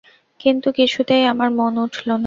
কিন্তু কিছুতেই আমার মন উঠল না।